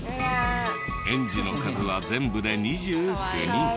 園児の数は全部で２９人。